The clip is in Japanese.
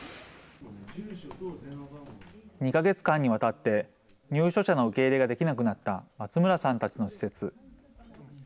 ２か月間にわたって、入所者の受け入れができなくなった松村さんたちの施設。